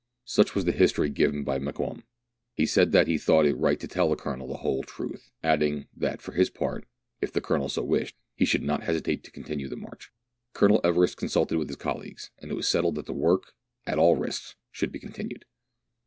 Such was the history given by Mokoum. He said that he thought it right to tell the Colonel the whole truth, adding, that for his own part (if the Colonel so wished) he should not hesitate to continue the march. Colonel Everest consulted with his colleagues, and it was settled that the work, at all risks, should be continued.